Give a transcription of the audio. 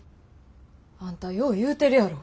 あんたよう言うてるやろ。